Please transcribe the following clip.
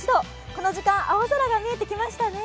この時間、青空が見えてきましたね。